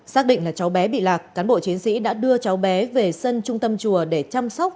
xác định là cháu bé bị lạc cán bộ chiến sĩ đã đưa cháu bé về sân trung tâm chùa để chăm sóc